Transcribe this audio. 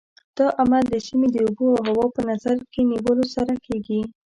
دا عمل د سیمې د اوبو او هوا په نظر کې نیولو سره کېږي.